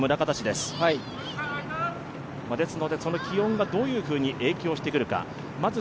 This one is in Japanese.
ですので、その気温がどういうふうに影響をしてくるのか。